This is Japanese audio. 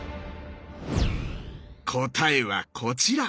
答えはこちら！